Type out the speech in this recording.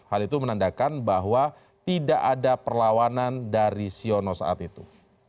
hal itu menandakan bahwa tidak ada perlawanan dari siono saat itu